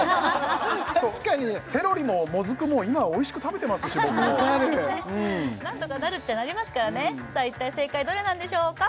確かにセロリももずくも今はおいしく食べてますし僕も何とかなるっちゃなりますからね一体正解どれなんでしょうか？